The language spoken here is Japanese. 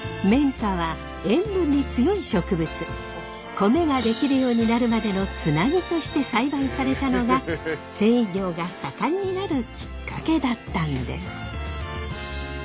米ができるようになるまでのつなぎとして栽培されたのが繊維業が盛んになるきっかけだったんです。